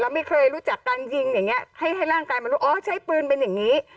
ไม่เคยรู้จักการยิงอย่างนี้ให้ร่างกายมันรู้อ๋อใช้ปืนเป็นอย่างนี้